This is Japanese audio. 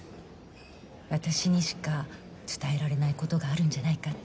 私にしか伝えられない事があるんじゃないかって。